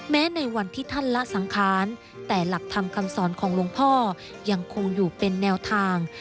ในวันที่ท่านละสังขารแต่หลักธรรมคำสอนของหลวงพ่อยังคงอยู่เป็นแนวทาง